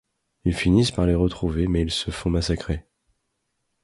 Ils finissent par les retrouver mais ils se font massacrer.